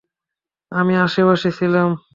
আমি আশেপাশে ছিলাম।